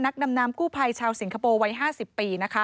นักดำน้ำกู้ภัยชาวสิงคโปร์วัย๕๐ปีนะคะ